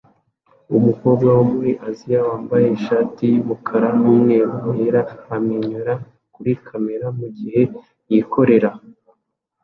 Umukobwa wo muri Aziya wambaye ishati yumukara numweru yera amwenyura kuri kamera mugihe yikorera ikintu runaka